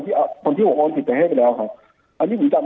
คนที่ผมโอนผิดไปให้ไปแล้วครับอันนี้ผมจำ